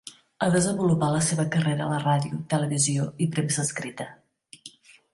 Ha desenvolupat la seva carrera a la ràdio, televisió i premsa escrita.